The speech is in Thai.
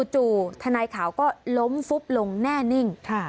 ทนายขาวก็ล้มฟุบลงแน่นิ่ง